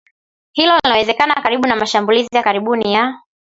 Hilo linawaweka karibu na mashambulizi ya karibuni ya